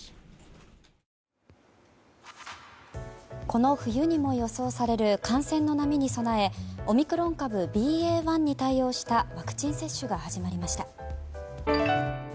この冬にも予想される感染の波に備えオミクロン株ＢＡ．１に対応したワクチン接種が始まりました。